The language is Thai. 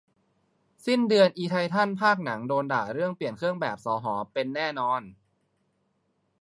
สิ้นเดือนอิไททันภาคหนังโดนด่าเรื่องเปลี่ยนเครื่องแบบสห เป็น แน่นอน